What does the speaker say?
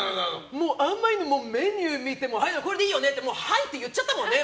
あんまりにも、メニュー見てもこれでいいよねってはいって言っちゃったもんね。